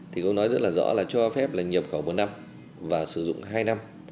thì câu nói rất là rõ là cho phép là nhập khẩu một năm và sử dụng hai năm